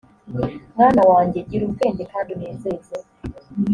mwana wanjye gira ubwenge kandi unezeze